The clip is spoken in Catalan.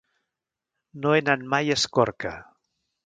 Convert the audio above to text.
No he anat mai a Escorca.